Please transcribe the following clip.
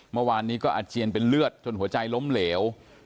เมื่อวานนี้ก็อาเจียนเป็นเลือดจนหัวใจล้มเหลว